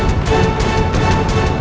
itu gak penting